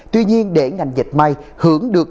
tuy nhiên để ngành dịch may hưởng được